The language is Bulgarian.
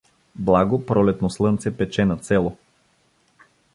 Благо пролетно слънце пече над село.